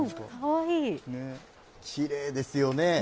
きれいですよね。